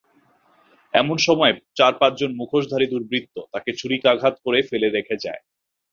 এমন সময় চার-পাঁচজন মুখোশধারী দুর্বৃত্ত তাঁকে ছুরিকাঘাত করে ফেলে রেখে যায়।